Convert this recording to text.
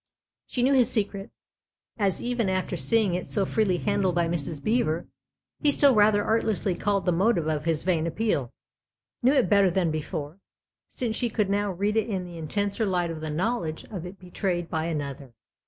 She knew his secret, as even after seeing it so freely handled by Mrs. Beever he still rather artlessly called the motive of his vain appeal ; knew it better than before, since she could now read it in the intenser light of the knowledge of it betrayed by another.